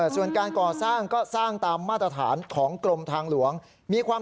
ส่วนการก่อสร้างก็สร้างตามมาตรฐานของกรมทางหลวงมีความ